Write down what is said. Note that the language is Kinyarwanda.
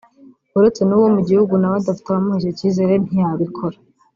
uretse nuwo mu gihugu nawe adafite abamuha icyo kizere ntiyabikora